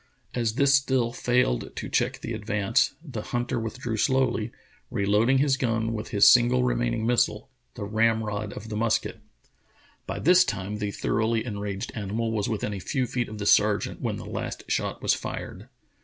As this still failed 82 True Tales of Arctic Heroism to check the advance the hunter withdrew slowly, re loading his gun with his single remaining missile, the ramrod of the musket. By this time the thoroughly enraged animal was within a few feet of the sergeant when the last shot was fired.